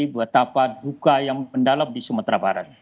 kita harus membuat apa yang mendalam di semetra barat